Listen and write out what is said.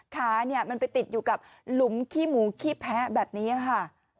ขาเนี่ยมันไปติดอยู่กับหลุมขี้หมูขี้แพ้แบบนี้ค่ะ